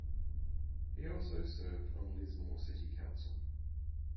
He also served on Lismore City Council.